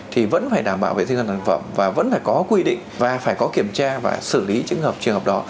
thì vẫn phải đảm bảo vệ sinh dân sản phẩm và vẫn phải có quy định và phải có kiểm tra và xử lý trường hợp đó